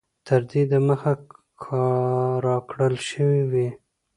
تر دې د مخه را كړل شوي وې